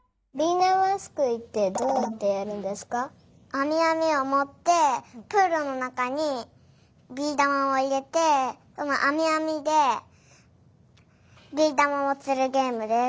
あみあみをもってプールのなかにビーだまをいれてそのあみあみでビーだまをつるゲームです。